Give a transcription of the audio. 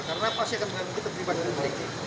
karena pasti akan menjadi terdakwa dari dki